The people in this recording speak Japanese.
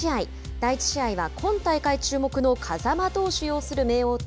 第１試合は、今大会注目の風間投手擁する明桜と。